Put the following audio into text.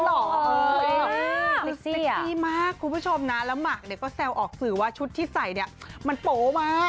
ติ๊กซี่มากแล้วเหมือนก็แซวออกสื่อว่าชุดที่ใส่เนี่ยมันโป๊มาก